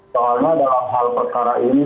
soalnya dalam hal perkara ini